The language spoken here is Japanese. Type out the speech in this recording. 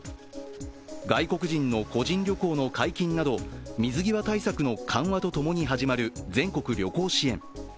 外国人の個人旅行の解禁など、水際対策の緩和とともに始まる全国旅行支援。